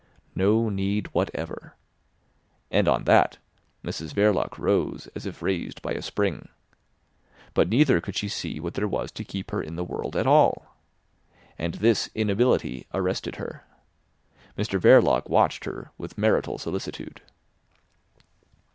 No need whatever. And on that Mrs Verloc rose as if raised by a spring. But neither could she see what there was to keep her in the world at all. And this inability arrested her. Mr Verloc watched her with marital solicitude.